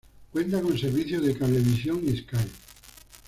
Cuentan con servicio de cablevisión y Sky.